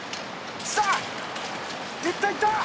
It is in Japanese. さあ、いったいった！